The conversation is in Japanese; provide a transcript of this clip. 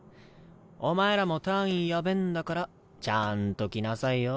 お前らも単位やべぇんだからちゃんと来なさいよ。